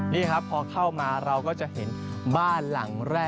นี่ครับพอเข้ามาเราก็จะเห็นบ้านหลังแรก